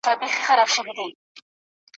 علم د دواړو جهانونو رڼا ده ,